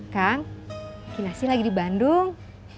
kang kinasi lagi di bandung